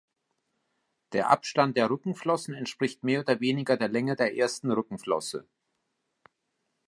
Der Abstand der Rückenflossen entspricht mehr oder weniger der Länge der ersten Rückenflosse.